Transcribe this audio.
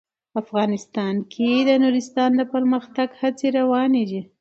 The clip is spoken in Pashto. افغانستان کې د نورستان د پرمختګ هڅې روانې دي.